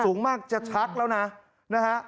สูงมากจะชักแล้วนะนะฮะ